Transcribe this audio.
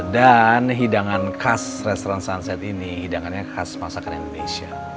dan hidangan khas restaurant sunset ini hidangannya khas masakan indonesia